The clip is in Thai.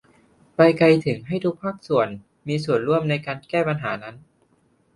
ไปไกลถึงให้ทุกภาคส่วนมามีส่วนร่วมในการแก้ปัญหานั้น